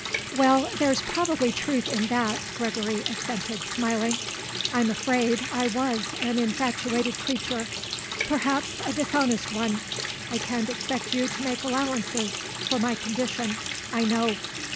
"Well, there's probably truth in that," Gregory assented, smiling; "I'm afraid I was an infatuated creature, perhaps a dishonest one. I can't expect you to make allowances for my condition, I know."